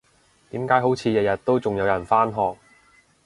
點解好似日日都仲有人返學？